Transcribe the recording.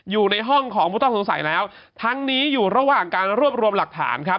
อยู่ในห้องของผู้ต้องสงสัยแล้วทั้งนี้อยู่ระหว่างการรวบรวมหลักฐานครับ